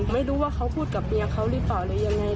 ไม่รู้ว่าเขาพูดกับเมียเขาหรือเปล่าหรือยังไง